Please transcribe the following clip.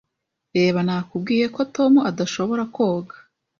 Reba, nakubwiye ko Tom adashobora koga.